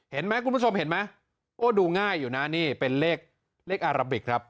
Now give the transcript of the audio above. เห็นไหมคุณผู้ชมเห็นไหมโอ้ดูง่ายอยู่นะนี่เป็นเลขอาราบิกครับ